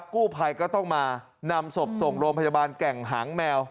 กู้ภัยก็ต้องมานำศพส่งโรงพยาบาลแก่งหางแมว